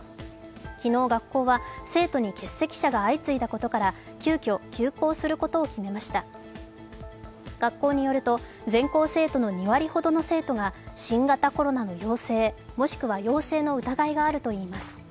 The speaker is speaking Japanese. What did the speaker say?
昨日、学校は生徒に欠席者が相次いだことから急きょ、休校することを決めました学校によると全校生徒の２割ほどの生徒が新型コロナの陽性もしくは陽性の疑いがあるといいます。